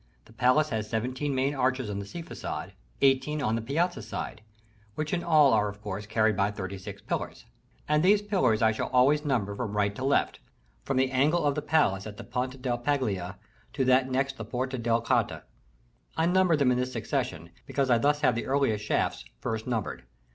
The palace has seventeen main arches on the sea façade, eighteen on the Piazzetta side, which in all are of course carried by thirty six pillars; and these pillars I shall always number from right to left, from the angle of the palace at the Ponte della Paglia to that next the Porta della Carta. I number them in this succession, because I thus have the earliest shafts first numbered.